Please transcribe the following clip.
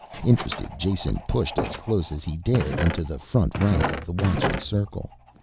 Interested, Jason pushed as close as he dared, into the front rank of the watching circle.